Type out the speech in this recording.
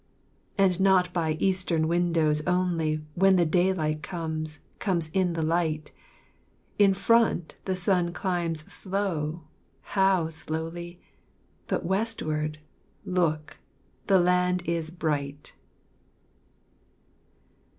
And not by eastern windows only, When daylight comes, comes in the light; In front the sun climbs slow, how slowly! But westward, look, the land is bright!